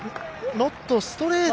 ノットストレート。